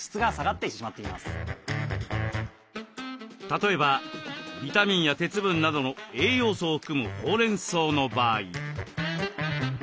例えばビタミンや鉄分などの栄養素を含むほうれんそうの場合。